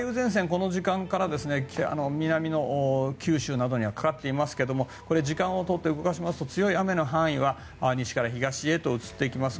この時間から南の九州などにはかかっていますが時間を通って動き出すと強い雨の範囲は西から東へと移っていきます。